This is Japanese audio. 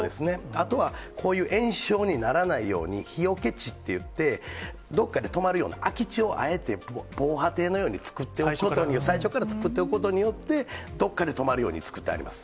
あとは、こういう延焼にならないように、日よけ地といって、どっかで止まるような、空き地をあえて、防波堤のように作っておくことに、最初から作っておくことによって、どっかで止まるように作ってあります。